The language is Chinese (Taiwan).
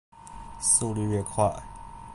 速率愈快